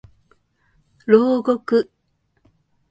牢獄